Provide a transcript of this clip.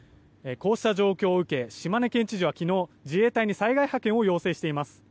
こうした状況を受け島根県知事は昨日自衛隊に災害派遣を要請しています。